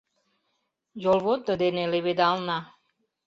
Йолвондо дене леведална;